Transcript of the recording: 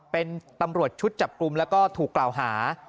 เป็นตำรวจชุดจับกลุ่มแล้วก็ถูกกล่าวหา